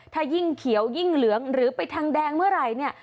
ถ้ายิ่งเขียวยิ่งเหลืองหรือไปทางแดงเมื่อไหร่เนี่ย